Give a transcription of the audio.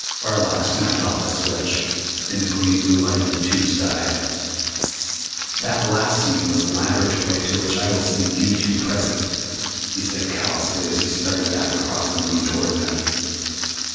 Arlok snapped off a switch, and the green light in the tubes died. "That last scene was the laboratory to which I shall send you two presently," he said callously as he started back across the room toward them.